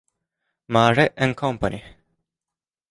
Mare and Company.